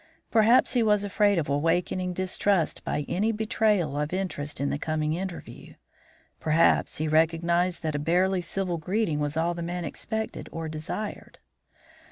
Perhaps he was afraid of awakening distrust by any betrayal of interest in the coming interview; perhaps he recognised that a barely civil greeting was all the man expected or desired.